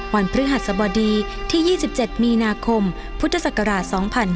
พฤหัสบดีที่๒๗มีนาคมพุทธศักราช๒๕๕๙